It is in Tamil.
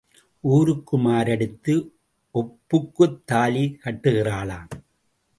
ஊருக்கு மாரடித்து ஒப்புக்குத் தாலி கட்டுகிறாளாம்.